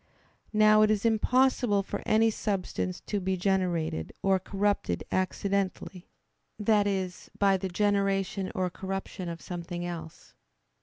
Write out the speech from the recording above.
Now it is impossible for any substance to be generated or corrupted accidentally, that is, by the generation or corruption of something else.